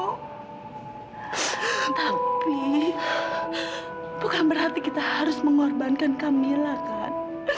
tapi bukan berarti kita harus mengorbankan kamila kan